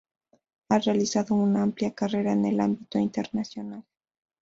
Ha realizado una amplia carrera en el ámbito internacional.